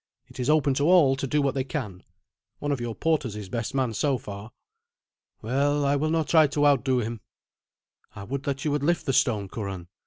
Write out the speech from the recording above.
"It is open to all to do what they can. One of your porters is best man so far." "Well, I will not try to outdo him." "I would that you would lift the stone, Curan.